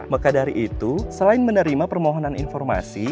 maka dari itu selain menerima permohonan informasi